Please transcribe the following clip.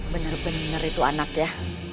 bener bener itu anaknya